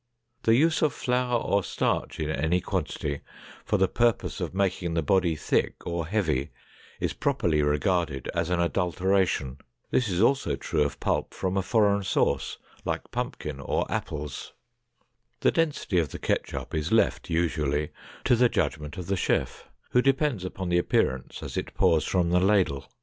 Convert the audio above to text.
The use of flour or starch in any quantity for the purpose of making the body thick or heavy is properly regarded as an adulteration. This is also true of pulp from a foreign source, like pumpkin or apples. The density of the ketchup is left usually to the judgment of the chef, who depends upon the appearance as it pours from the ladle.